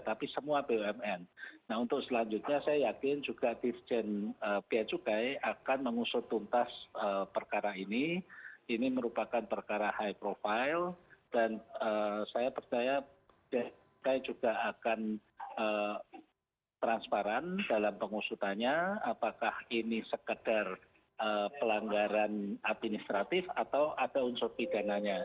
dan saya percaya bumn juga akan transparan dalam pengusutannya apakah ini sekedar pelanggaran administratif atau ada unsur bidananya